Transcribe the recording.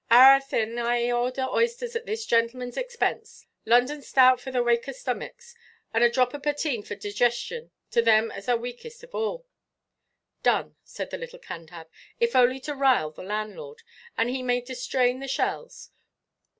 "Arrah, thin, and I order eysters at this gintlemanʼs expinse, London stout for the waker stomiks, and a drop o' poteen for digestion, to them as are wakest of all." "Done," said the little Cantab, "if only to rile the landlord, and he may distrain the shells.